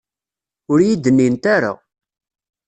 Ur iyi-d-nnint ara.